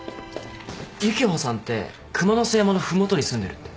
幸葉さんって熊之背山の麓に住んでるって。